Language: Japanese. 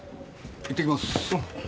行ってきます。